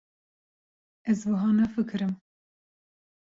Ez wiha nafikirim.